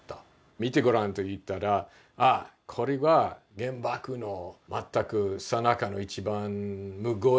見てごらんと言ったらこれは原爆の全くさなかの一番むごい悲惨な光景。